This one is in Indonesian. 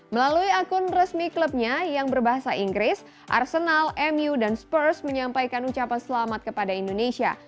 melalui akun resmi klubnya yang berbahasa inggris arsenal mu dan spurs menyampaikan ucapan selamat kepada indonesia